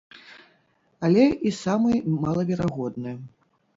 Але і самы малаверагодны.